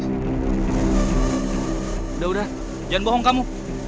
sudah udah jangan bohong kamu